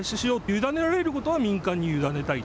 委ねられることは民間に委ねたい。